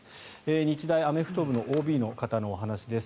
日大アメフト部のＯＢの方のお話です。